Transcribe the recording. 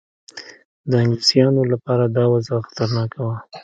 د انګلیسیانو لپاره دا وضع خطرناکه وه.